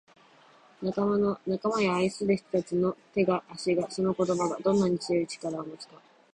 「仲間や愛する人達の手が体がその言葉がどんなに強い力を持つか」